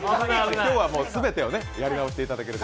今日は全てをやり直していただければ。